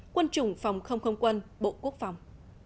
quân chủng phòng không không quân bộ quốc phòng